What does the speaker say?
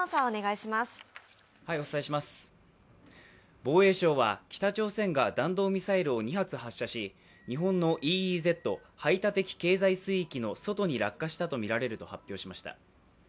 防衛省は北朝鮮が弾道ミサイルを２発発射し、日本のＥＥＺ＝排他的経済水域の外に落下したとみられると発表しました。